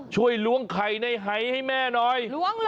ช่วยล้วงไข่ในไฮให้แม่หน่อย